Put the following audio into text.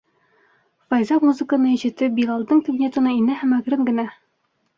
Файза музыканы ишетеп, Билалдың кабинетына инә һәм әкрен генә